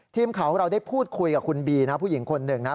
ทีมข่าวของเราได้พูดคุยกับคุณบีนะผู้หญิงคนหนึ่งนะ